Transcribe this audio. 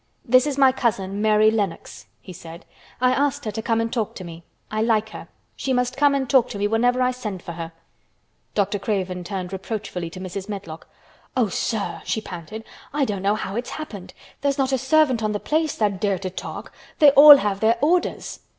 "This is my cousin, Mary Lennox," he said. "I asked her to come and talk to me. I like her. She must come and talk to me whenever I send for her." Dr. Craven turned reproachfully to Mrs. Medlock. "Oh, sir" she panted. "I don't know how it's happened. There's not a servant on the place tha'd dare to talk—they all have their orders."